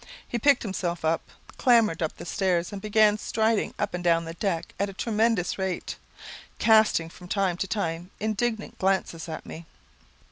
He picked himself up, clambered up the stairs, and began striding up and down the deck at a tremendous rate, casting from time to time indignant glances at me.